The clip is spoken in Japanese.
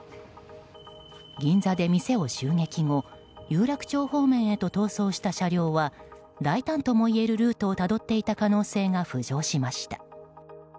銀座で店を襲撃後有楽町方面へと逃走した車両は大胆ともいえるルートをたどっていた可能性が浮上しました。